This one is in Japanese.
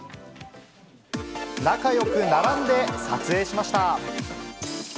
仲よく並んで撮影しました。